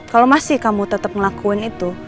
kalau masih kamu tetap ngelakuin itu